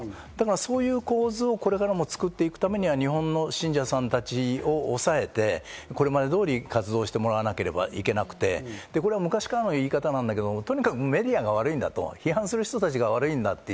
そういう構図をこれからも作っていくためには日本の信者さんたちを抑えて、これまで通り活動してもらわなければいけなくて、これは昔からの言い方なんだけど、とにかくメディアが悪いんだと、批判する人たちが悪いんだと。